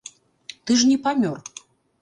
Ты ж не памёр!